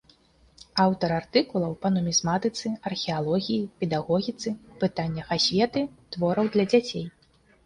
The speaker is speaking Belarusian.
Аўтар артыкулаў па нумізматыцы, археалогіі, педагогіцы, пытаннях асветы, твораў для дзяцей.